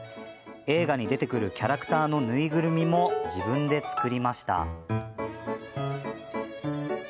映画に出てくるキャラクターの縫いぐるみも自分で作りました。